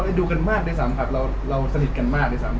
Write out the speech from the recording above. ดูกันมากด้วยซ้ำครับเราสนิทกันมากด้วยซ้ำ